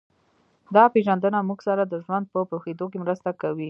دا پېژندنه موږ سره د ژوند په پوهېدو کې مرسته کوي